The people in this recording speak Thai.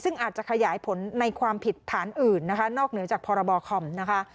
ซึ่งอาจจะขยายผลในความผิดฐานอื่นนะคะนอกเหนือจากพรบคอมนะคะ